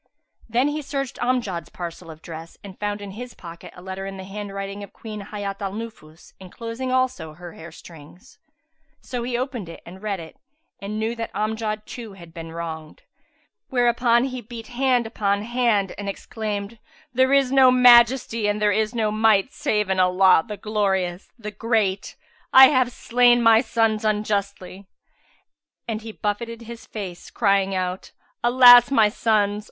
Then he searched Amjad's parcel of dress and found in his pocket a letter in the handwriting of Queen Hayat al Nufus enclosing also her hair strings; so he opened and read it and knew that Amjad too had been wronged; whereupon he beat hand upon hand and exclaimed, "There is no Majesty and there is no Might save in Allah, the Glorious, the Great! I have slain my sons unjustly." And he buffeted his face, crying out, "Alas, my sons!